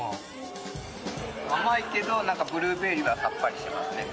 甘いけどなんかブルーベリーはさっぱりしてますね。